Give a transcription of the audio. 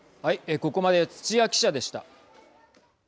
ここまで土屋記者でした。